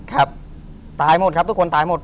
ครับตายหมดครับทุกคนตายหมด